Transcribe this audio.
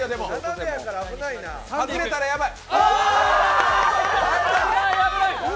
外れたらヤバい。